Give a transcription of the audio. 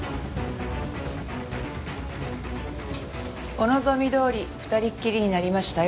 お望みどおり２人っきりになりましたよ